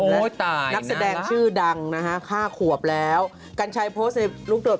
นักแสดงชื่อดังนะฮะห้าขวบแล้วกัญชัยโพสต์ในลูกโดด